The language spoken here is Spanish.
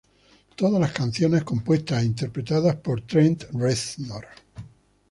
Todas las canciones compuestas e interpretadas por Trent Reznor.